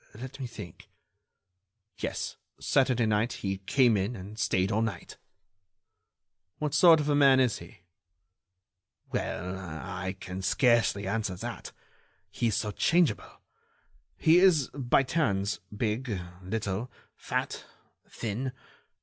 Let me think.... Yes, Saturday night, he came in and stayed all night." "What sort of a man is he?" "Well, I can scarcely answer that. He is so changeable. He is, by turns, big, little, fat, thin